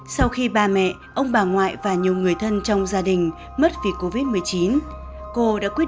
sau khi ba mẹ ông bà ngoại và nhiều người thân trong gia đình mất vì covid một mươi chín cô đã quyết